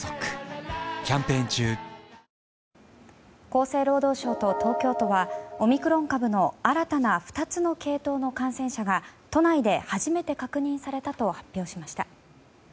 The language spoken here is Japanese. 厚生労働省と東京都はオミクロン株の新たな２つの系統の感染者が都内で初めて確認されたと発表しました。